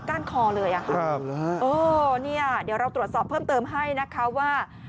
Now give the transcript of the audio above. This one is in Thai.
ก้านคอเลยอ๋อเดี๋ยวเราตรวจสอบเพิ่มเติมให้ว่า